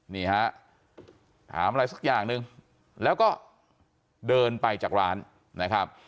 นี่ฮะถามอะไรสักอย่างหนึ่งแล้วก็เดินไปจากร้านนะครับ